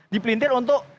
di pelintir untuk